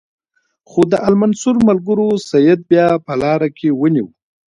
خو د المنصور ملګرو سید بیا په لاره کې ونیو.